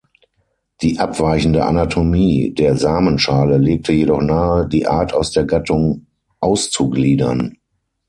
Die abweichende Anatomie der Samenschale legte jedoch nahe, die Art aus der Gattung auszugliedern.